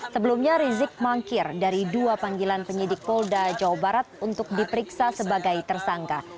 sebelumnya rizik mangkir dari dua panggilan penyidik polda jawa barat untuk diperiksa sebagai tersangka